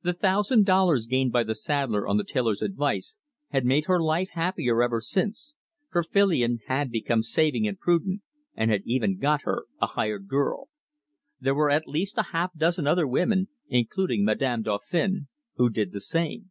The thousand dollars gained by the saddler on the tailor's advice had made her life happier ever since, for Filion had become saving and prudent, and had even got her a "hired girl." There were at least a half dozen other women, including Madame Dauphin, who did the same.